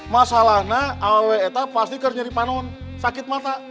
masalahnya awal itu pasti kerja di panon sakit mata